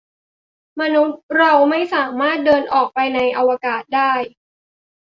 มนุษย์เราไม่สามารถเดินออกไปในอวกาศได้